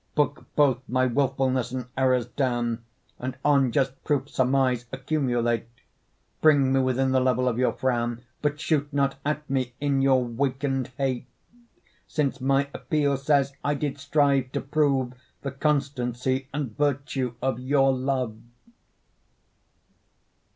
Book both my wilfulness and errors down, And on just proof surmise, accumulate; Bring me within the level of your frown, But shoot not at me in your waken'd hate; Since my appeal says I did strive to prove The constancy and virtue of your love.